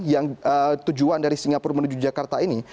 yang tujuan dari singapura menuju jakarta ini